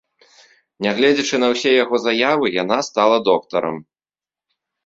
Нягледзячы на ўсе яго заявы, яна стала доктарам.